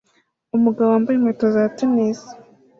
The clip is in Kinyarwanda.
Umugabo wambaye inkweto za tennis